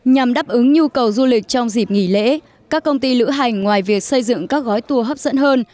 nhằm đáp ứng nhu cầu du lịch trong dịp nghỉ lễ các công ty lữ hành ngoài việc xây dựng các gói tour hấp dẫn hơn